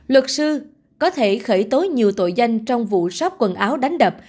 luật sư có thể khởi tố nhiều tội danh trong vụ shop quần áo đánh đập